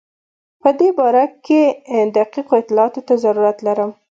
په دې باره کې دقیقو اطلاعاتو ته ضرورت لرم.